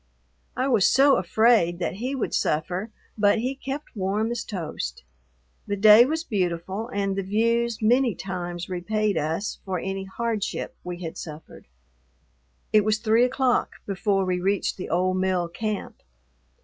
I was so afraid that he would suffer, but he kept warm as toast. The day was beautiful, and the views many times repaid us for any hardship we had suffered. It was three o'clock before we reached the old mill camp.